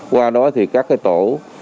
qua đó thì các tổ